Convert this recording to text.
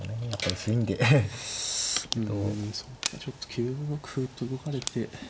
うんそっかちょっと９六歩と動かれて。